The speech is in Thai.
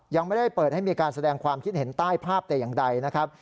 ยังไม่ได้เปิดให้มีการแสดงความคิดเห็นใต้ภาพแต่อย่างใดนะครับ